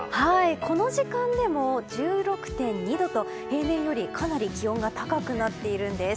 この時間でも１６．２度と平年よりかなり気温が高くなっているんです。